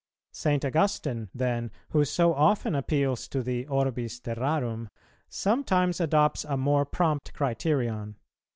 St. Augustine, then, who so often appeals to the orbis terrarum, sometimes adopts a more prompt criterion.